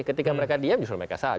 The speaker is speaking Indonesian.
ketika mereka diam justru mereka salah